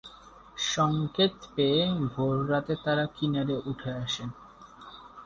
সংকেত পেয়ে ভোর রাতে তারা কিনারে উঠে আসেন।